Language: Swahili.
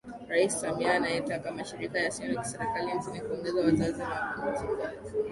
Rais Samia ameyataka Mashirika Yasiyo ya Kiserikali nchini kuongeza uwazi na uwajibikaji